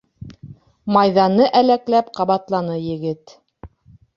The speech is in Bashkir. — Майҙаны әләкләп ҡабатланы егет.